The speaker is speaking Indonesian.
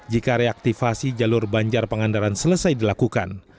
jika reaktivasi jalur banjar pangandaran selesai dilakukan